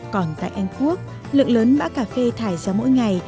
còn tại anh quốc lượng lớn bã cà phê thải ra mỗi ngày